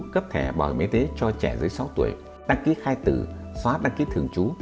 cấp thẻ bảo hiểm y tế cho trẻ dưới sáu tuổi đăng ký khai tử xóa đăng ký thường trú